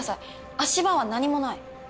足場は何もない。